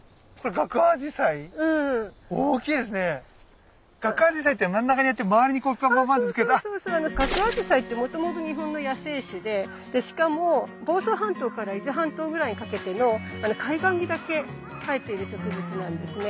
ガクアジサイってもともと日本の野生種でしかも房総半島から伊豆半島ぐらいにかけての海岸にだけ生えている植物なんですね。